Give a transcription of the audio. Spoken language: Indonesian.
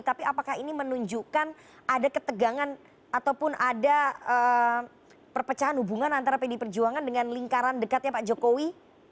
tapi apakah ini menunjukkan ada ketegangan ataupun ada perpecahan hubungan antara pdi perjuangan dengan lingkaran dekatnya pak jokowi